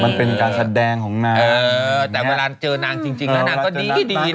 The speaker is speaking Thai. มันเป็นการแสดงของนางเออแต่เวลาเจอนางจริงแล้วนางก็ดีนะ